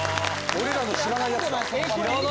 俺らの知らないやつだ。